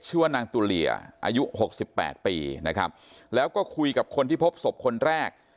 ชื่อว่านางตุเลียอายุหกสิบแปดปีนะครับแล้วก็คุยกับคนที่พบศพคนแรก